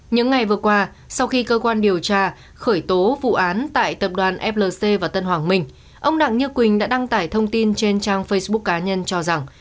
những ngày vừa qua sau khi cơ quan điều tra khởi tố vụ án tại tập đoàn flc và tân hoàng minh ông đặng như quỳnh đã đăng tải thông tin trên trang facebook cá nhân cho rằng